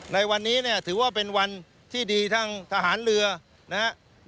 ในวันนี้เนี่ยถือว่าเป็นวันที่ดีทั้งทหารเรือนะครับ